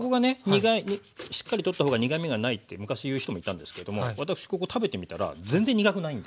苦いしっかり取った方が苦みがないって昔言う人もいたんですけれども私ここ食べてみたら全然苦くないんで。